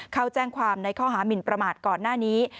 เข้าแจ้งความในข้อหามินประมาทก่อนหน้านี้